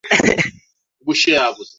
afungua ukurasa mpya katika historia